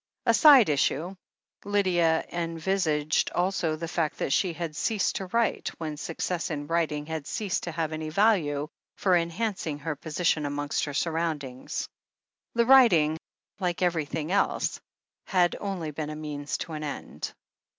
A side issue, Lydia envisaged also the fact that she had ceased to write when success in writing had ceased to have any value for enhancing her position amongst her 422 THE HEEL OF ACHILLES surroundings. The writing, like everything else, had only been a means to an end.